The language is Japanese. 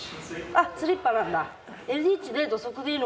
あっスリッパなんだ。